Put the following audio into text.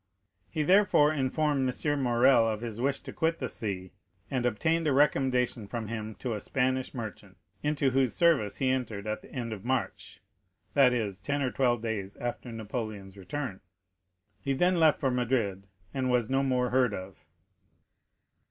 He therefore informed M. Morrel of his wish to quit the sea, and obtained a recommendation from him to a Spanish merchant, into whose service he entered at the end of March, that is, ten or twelve days after Napoleon's return. He then left for Madrid, and was no more heard of.